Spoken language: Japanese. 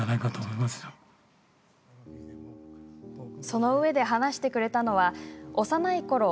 そのうえで話してくれたのは幼いころ